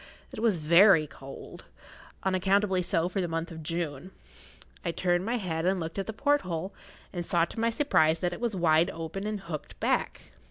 It was very cold—unaccountably so for the month of June. I turned my head and looked at the porthole, and saw to my surprise that it was wide open and hooked back.